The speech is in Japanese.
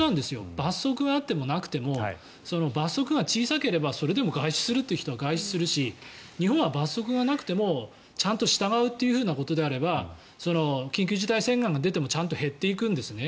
罰則があってもなくても罰則が小さければそれでも外出する人は外出するし日本は罰則がなくてもちゃんと従うということであれば緊急事態宣言が出てもちゃんと減っていくんですね。